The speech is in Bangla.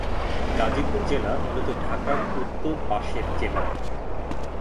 গাজীপুর জেলা মূলত ঢাকার উত্তর পাশের জেলা।